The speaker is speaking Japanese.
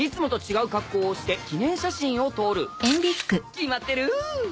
決まってる！